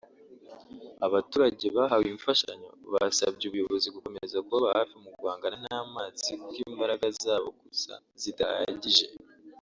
Abaturage bahawe imfashanyo basabye ubuyobozi gukomeza kubaba hafi mu guhangana n’amazi kuko imbaraga zabo gusa zidahagije